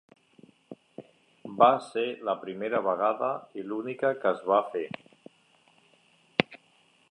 Va ser la primera vegada i l'única que es va fer.